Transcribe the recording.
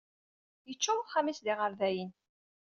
Yeččur uxxam-is d iɣerdayen.